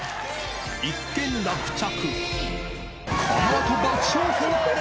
一件落着。